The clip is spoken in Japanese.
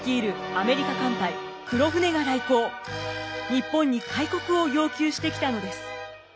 日本に開国を要求してきたのです。